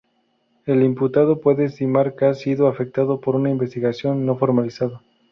El imputado puede estimar que ha sido afectado por una investigación no formalizada.